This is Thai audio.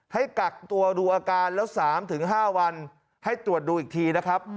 ให้กักตัวดูอาการแล้ว๓๕วันให้ตรวจดูอีกทีนะครับ